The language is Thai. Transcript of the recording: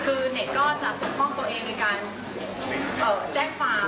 คือเน็ตก็จะปกป้องตัวเองในการแจ้งความ